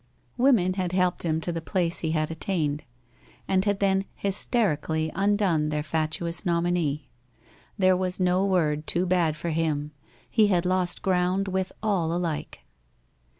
Women had helped him to the place he had attained and had then hysterically undone their fatuous nominee. There was no word too bad for him. He had lost ground with all alike.